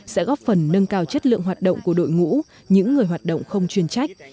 sẽ góp phần nâng cao chất lượng hoạt động của đội ngũ những người hoạt động không chuyên trách